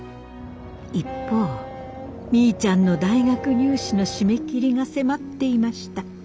一方みーちゃんの大学入試の締め切りが迫っていました。